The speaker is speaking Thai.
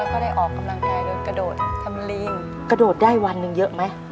แล้วก็ได้ออกกำลังกายเดินกระโดดทำลิงกระโดดได้วันหนึ่งเยอะไหม